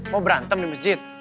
mau berantem di masjid